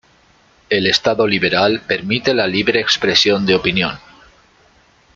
El Estado liberal permite la libre expresión de opinión.